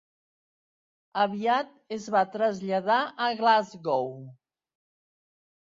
Aviat es va traslladar a Glasgow.